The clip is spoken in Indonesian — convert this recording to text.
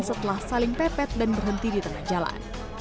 setelah saling pepet dan berhenti di tengah jalan